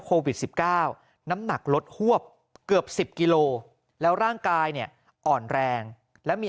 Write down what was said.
โควิด๑๙น้ำหนักลดฮวบเกือบ๑๐กิโลแล้วร่างกายเนี่ยอ่อนแรงแล้วมี